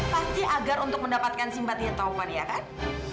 pasti agar untuk mendapatkan simpatian taufan ya kan